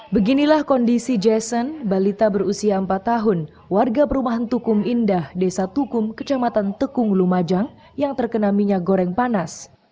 beginilah kondisi jason balita berusia empat tahun warga perumahan tukum indah desa tukum kecamatan tekung lumajang yang terkena minyak goreng panas